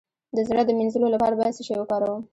د زړه د مینځلو لپاره باید څه شی وکاروم؟